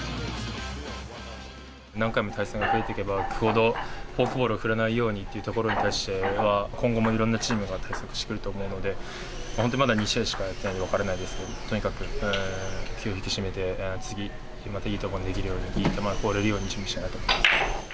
何回も対戦が増えてくればくるほど、フォークボールを振らないようにということに対しては、今後もいろんなチームが対策してくると思うので、本当にまだ２試合しかやってないから分からないですけど、とにかく気を引き締めて次、またいい登板ができるように、いい球が放れるように準備したいなと思います。